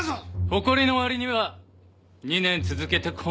誇りのわりには２年続けてこのざまですか？